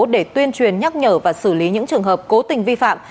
để tuyên truyền nhắc nhở và xử lý những trường hợp cố tình vi phạm